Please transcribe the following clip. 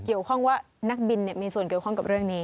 เกี่ยวข้องว่านักบินมีส่วนเกี่ยวข้องกับเรื่องนี้